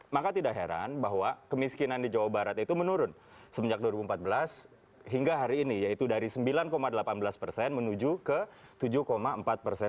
maka tidak heran bahwa kemiskinan di jawa barat itu menurun semenjak dua ribu empat belas hingga hari ini yaitu dari sembilan delapan belas persen menuju ke tujuh empat persen